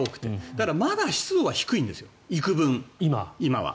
だから、まだ湿度は低いんです幾分、今は。